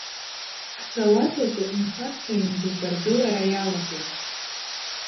Ҳзауад аҿы нхарҭа ҩын дук аргылара иалагоит.